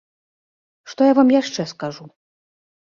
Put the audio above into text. Што я вам яшчэ скажу?